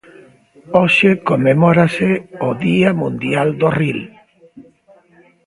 Hoxe conmemórase o Día Mundial do Ril.